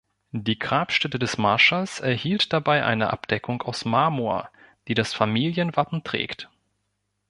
Die Grabstätte des Marschalls erhielt dabei eine Abdeckung aus Marmor, die das Familienwappen trägt.